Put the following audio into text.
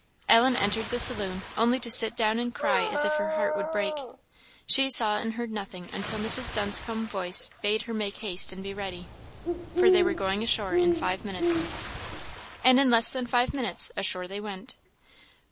Ellen entered the saloon only to sit down and cry as if her heart would break. She saw and heard nothing till Mrs. Dunscombe's voice bade her make haste and be ready, for they were going ashore in five minutes. And in less than five minutes, ashore they went.